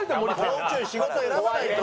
もうちょい仕事選ばないと。